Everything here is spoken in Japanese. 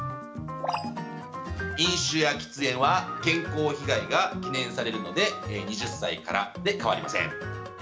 飲酒や喫煙は健康被害が懸念されるので、２０歳からで変わりません。